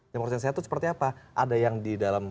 demokrasi yang sehat itu seperti apa ada yang di dalam